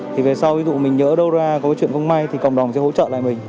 thì về sau ví dụ mình nhớ đâu ra có chuyện không may thì cộng đồng sẽ hỗ trợ lại mình